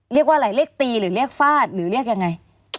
เรียกว่าอะไรเลขตีหรือฝ้าดหรือแหละยังไง